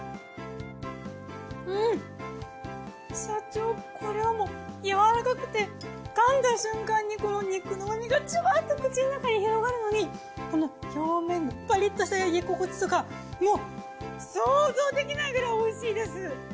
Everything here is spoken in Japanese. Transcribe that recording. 社長これはもうやわらかくてかんだ瞬間にこの肉のうまみがジュワッと口の中に広がるのにこの表面パリッとした焼き心地とかもう想像できないくらいおいしいです。